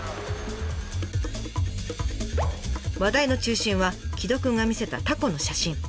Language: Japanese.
話題の中心は城戸くんが見せたタコの写真。